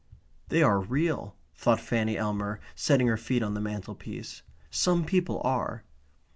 They are real, thought Fanny Elmer, setting her feet on the mantelpiece. Some people are.